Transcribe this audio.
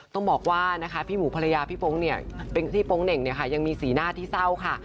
ต้องบอกว่านะคะพี่หมูภรรยาพี่โป๊งเนี่ยพี่โป๊งเหน่งเนี่ยค่ะยังมีสีหน้าที่เศร้าค่ะ